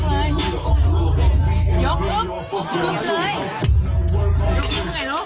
ยกสดเลยยกสด